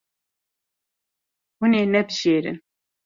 Hûn ê nebijêrin.